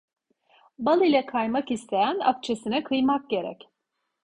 Bal ile kaymak isteyen akçesine kıymak gerek.